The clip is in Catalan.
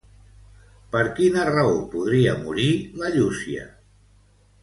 Per quina raó podria morir la Llúcia?